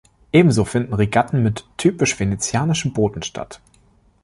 Ebenso finden Regatten mit typisch venezianischen Booten statt.